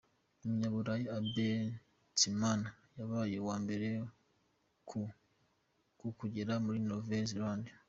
Umunyaburayi Abel Tasman yabaye uwa mbere ku kugera muri Nouvelle Zalande.